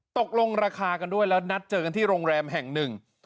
ตกลงราคากันด้วยแล้วนัดเจอกันที่โรงแรมแห่งหนึ่ง